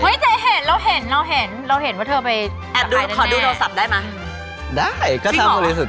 แกไม่สนใจให้ดูโน้นสัมภิกษ์ถือถ้าให้ดูได้ก็บอก